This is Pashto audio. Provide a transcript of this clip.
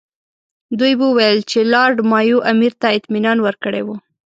دوی وویل چې لارډ مایو امیر ته اطمینان ورکړی وو.